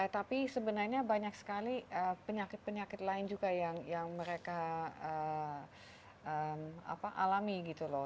tapi sebenarnya banyak sekali penyakit penyakit lain juga yang mereka alami gitu loh